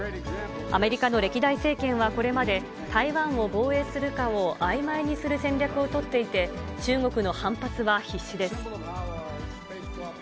アメリカの歴代政権はこれまで台湾を防衛するかをあいまいにする戦略を取っていて、中国の反発は必至です。